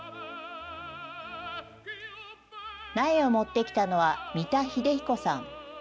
苗を持ってきたのは、三田英彦さん。